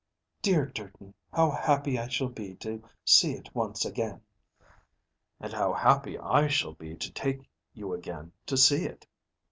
"Dear Durton, how happy I shall be to see it once again!" "And how happy I shall be to take you again to see it!